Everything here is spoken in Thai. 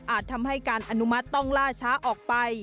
ทำให้การอนุมัติต้องล่าช้าออกไป